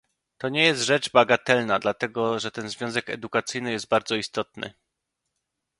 To nie jest rzecz bagatelna dlatego, że ten wątek edukacyjny jest bardzo istotny